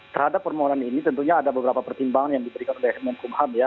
terhadap permohonan ini tentunya ada beberapa pertimbangan yang diberikan oleh menkumham ya